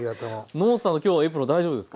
野本さんの今日エプロン大丈夫ですか？